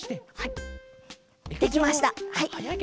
できましたはい。